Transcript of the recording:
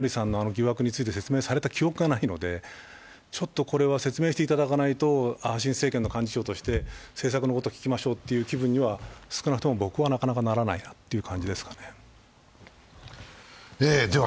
少なくとも甘利さんの疑惑について説明された記憶がないので、ちょっとこれは説明していただかないと、新政権の幹事長として政策のことを聞きましょうという気分には少なくとも僕はならないという感じですね。